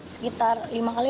sekitar lima kali lah hampir